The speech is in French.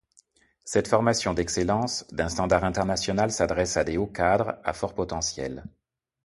Cette formation d'excellence, d'un standard international s'adresse à des hauts cadres à fort potentiel.